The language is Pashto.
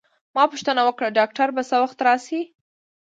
ما پوښتنه وکړه: ډاکټر به څه وخت راشي؟